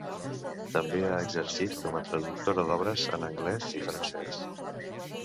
També ha exercit com a traductora d'obres en anglès i francès.